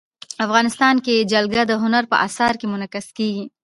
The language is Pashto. افغانستان کې جلګه د هنر په اثار کې منعکس کېږي.